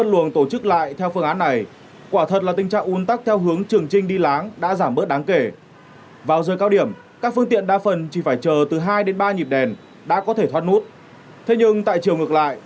những ngày qua thời tiết ở bắc đông